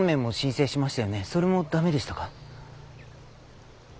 それも駄目でしたか？